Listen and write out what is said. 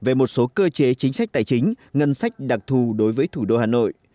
về một số cơ chế chính sách tài chính ngân sách đặc thù đối với thủ đô hà nội